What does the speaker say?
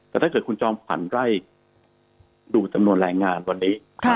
แต่ถ้าเกิดคุณจอมขวัญไล่ดูจำนวนแรงงานวันนี้